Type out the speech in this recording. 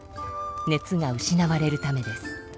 熱が失われるためです。